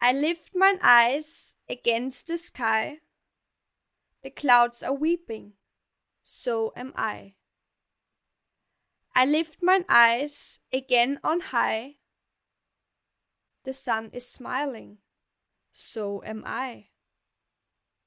I lift mine eyes against the sky, The clouds are weeping so am I; I lift mine eyes again on high, The sun is smiling so am I.